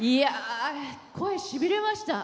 声、しびれました。